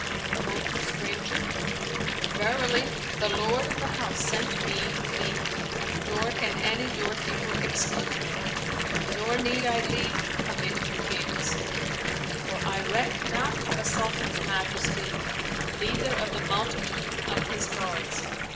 Quoth the stranger, "Verily the Lord of the House sent me to thee, nor can any doorkeeper exclude me, nor need I leave to come in to Kings; for I reck not of a Sultan's majesty neither of the multitude of his guards.